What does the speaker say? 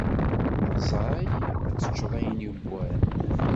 Aẓay, ad tteččeḍ ayen yewwan!